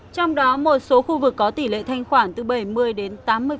trong đó một số khu vực có tỷ lệ thanh khoản từ bảy mươi đến tám mươi